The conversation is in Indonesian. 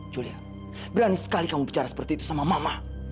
julia berani sekali kamu bicara seperti itu sama mama